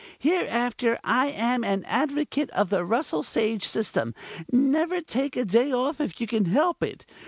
"Hereafter I am an advocate of the Russell Sage system. Never take a day off if you can help it.